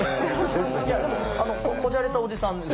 いやでもこじゃれたおじさんです。